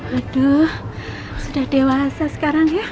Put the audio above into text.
aduh sudah dewasa sekarang ya